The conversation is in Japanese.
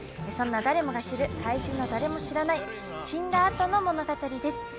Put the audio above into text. そんな誰もが知る、怪獣の誰も知らない、死んだあとの物語です。